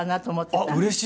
あっうれしい！